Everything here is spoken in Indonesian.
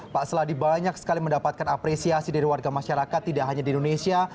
pak seladi banyak sekali mendapatkan apresiasi dari warga masyarakat tidak hanya di indonesia